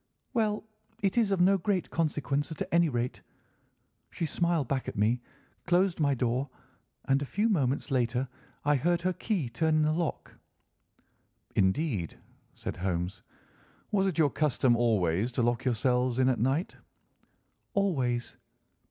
"'Well, it is of no great consequence, at any rate.' She smiled back at me, closed my door, and a few moments later I heard her key turn in the lock." "Indeed," said Holmes. "Was it your custom always to lock yourselves in at night?" "Always."